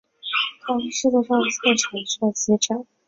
它是世界上最长寿的急诊。